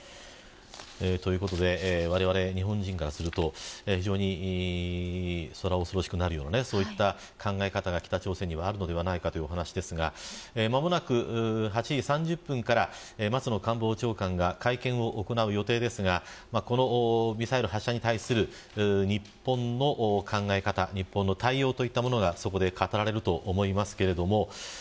ということでわれわれ日本人からすると非常にそら恐ろしくなるような考え方が北朝鮮にあるのではないかという話ですが間もなく８時３０分から松野官房長官が会見を行う予定ですがこのミサイル発射に対する日本の考え方や対応というものがそこで語られると思います。